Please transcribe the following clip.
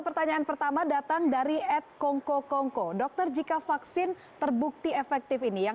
pertanyaan pertama datang dari ed kongko kongko dokter jika vaksin terbukti efektif ini yang